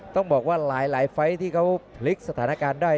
ต้องบอกว่าหลายไฟล์ที่เขาพลิกสถานการณ์ได้